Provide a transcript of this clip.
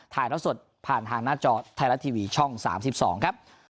ถ่ายแล้วสดผ่านทางหน้าจอไทยรัฐทีวีช่อง๓๒ครับ